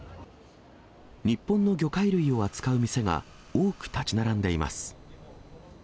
日本の魚介類を扱う店が多く建ち並んでいます。